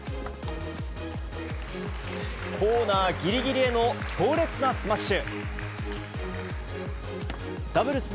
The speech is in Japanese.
コーナーぎりぎりへの強烈なスマッシュ。